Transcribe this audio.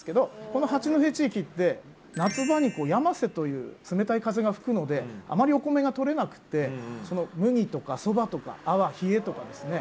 この八戸地域って夏場に「やませ」という冷たい風が吹くのであまりお米が取れなくて麦とかそばとかあわひえとかですね